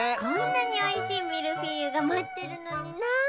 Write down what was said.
こんなにおいしいミルフィーユがまってるのにな。